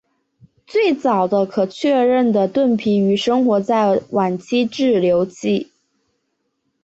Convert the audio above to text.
最早的可确认的盾皮鱼生活在晚期志留纪。